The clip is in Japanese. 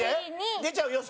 出ちゃうよ、外。